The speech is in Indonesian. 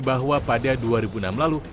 bahwa pada dua ribu enam lalu